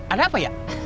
ada apa ya